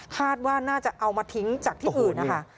คาดว่าน่าจะเอามาทิ้งจากที่อื่นนะคะ